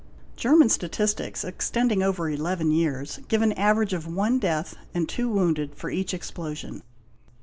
German statistics, extending over 11 years, give an average of one death and two wounded for each explosion.